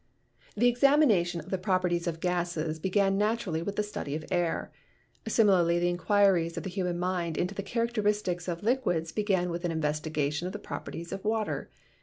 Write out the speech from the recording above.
The examination of the properties of gases began natu rally with the study of air. Similarly the inquiries of the human mind into the characteristics of liquids began with an investigation of the properties of water.